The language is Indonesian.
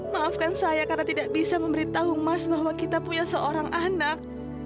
maafkan saya karena tidak bisa memberitahu mas bahwa kita punya seorang anak